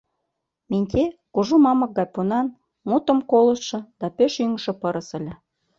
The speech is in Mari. Минтье кужу мамык гай пунан, мутым колыштшо да пеш ӱҥышӧ пырыс ыле.